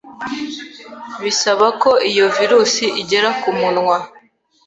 Bisaba ko iyo virus igera ku munwa,